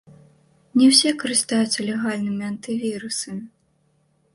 Не ўсе карыстаюцца легальнымі антывірусамі.